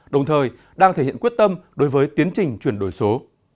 đồng thời đang thể hiện quyết tâm đối với tiến trình chuyển đổi số